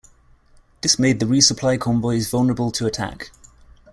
This made the resupply convoys vulnerable to attack.